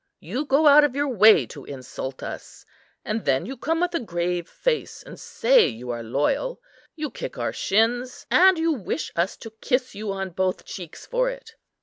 You go out of your way to insult us; and then you come with a grave face, and say you are loyal. You kick our shins, and you wish us to kiss you on both cheeks for it.